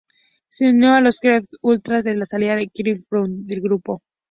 Se unió a los Jethro tull tras la salida de Clive Bunker del grupo.